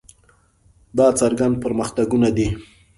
دا څرګند پرمختګونه دي.